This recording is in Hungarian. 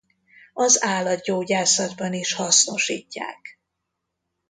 Az állatgyógyászatban is hasznosítják.